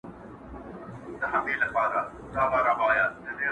ښه او بد لټوه ځان کي ایینه کي نیرنګ نه وي.